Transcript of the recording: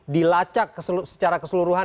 dilacak secara keseluruhan